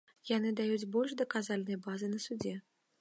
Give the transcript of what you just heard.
Яны даюць больш даказальнай базы на судзе.